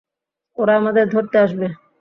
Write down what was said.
ওরা আমাদের ধরতে আসবে।